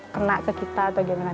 kena ke kita atau gimana